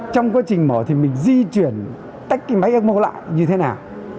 trong quá trình mỏ thì mình di chuyển tách cái máy ecmo lại như thế nào